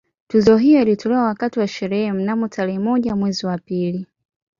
Tuzo hiyo ilitolewa wakati wa sherehe mnamo tarehe moja mwezi wa pili